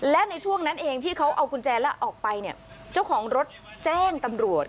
และในช่วงนั้นเองที่เขาเอากุญแจแล้วออกไปเนี่ยเจ้าของรถแจ้งตำรวจ